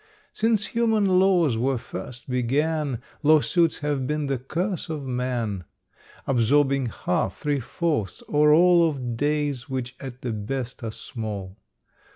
Since human laws were first began, Lawsuits have been the curse of man; Absorbing half, three fourths, or all Of days which, at the best, are small.